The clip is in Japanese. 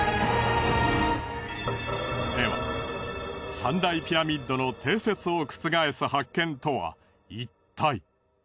では三大ピラミッドの定説を覆す発見とはいったい？